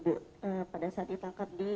mereka dan sekarang